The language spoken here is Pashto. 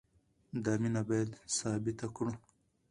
دا مینه باید ثابته کړو.